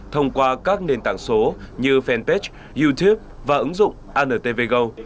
thông qua các nền tảng số như fanpage youtube và ứng dụng antv go